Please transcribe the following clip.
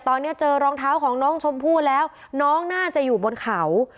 ตอนนี้เจอรองเท้าของน้องชมพู่แล้วน้องน่าจะอยู่บนเขา